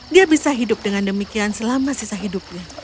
dia bisa hidup dengan demikian selama sisa hidupnya